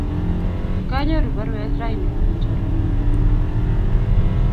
Kanyoru parwet raini kopun chorwennyu nepo keny